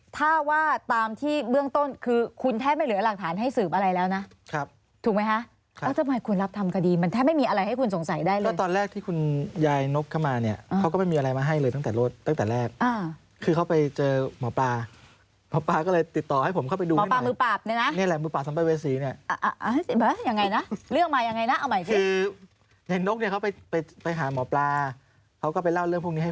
แทบไม่มีอะไรให้คุณสงสัยได้เลยก็ตอนแรกที่คุณยายนกเข้ามาเนี่ยเขาก็ไม่มีอะไรมาให้เลยตั้งแต่รถตั้งแต่แรกอ่าคือเขาไปเจอหมอปลาหมอปลาก็เลยติดต่อให้ผมเข้าไปดูหมอปลามือปราบเนี่ยนะเนี่ยแหละมือปราบซ้ำไปเวสีเนี่ยอ่ะอ่ะยังไงนะเรื่องมายังไงนะเอาใหม่คือยายนกเนี่ยเขาไปไปไปหาหมอปลาเขาก็ไปเล่าเรื่องพวกนี้ให้